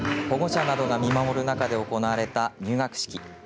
保護者などが見守る中で行われた入学式。